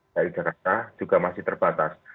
dari jakarta juga masih terbatas